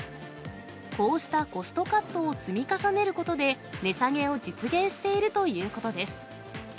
こうしたコストカットを積み重ねることで、値下げを実現しているということです。